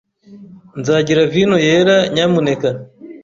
Nzagira vino yera, nyamuneka.